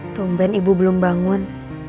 tumben ibu belum bangun